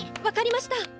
分かりました。